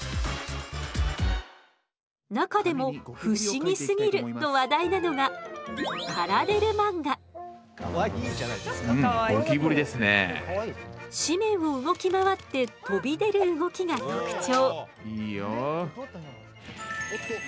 中でも「不思議すぎる！」と話題なのが紙面を動き回って飛び出る動きが特徴。